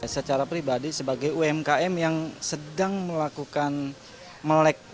secara pribadi sebagai umkm yang sedang melakukan melek